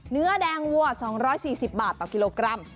เนื้อแดงวัว๒๔๐บาทต่อกิโลกรัม